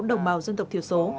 đồng bào dân tộc thiểu số